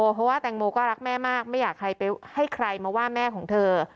เพราะว่าแตงโมก็รักแม่มากไม่อยากให้ใครมาว่าแม่ของเธอ